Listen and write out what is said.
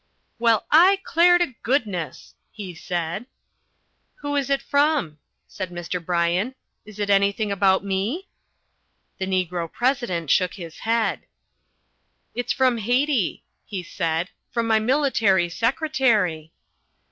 "Well, I 'clare to goodness!" he said. "Who is it from ?" said Mr. Bryan. "Is it anything about me?" The Negro President shook his head. "It's from Haiti," he said, "from my military secretary."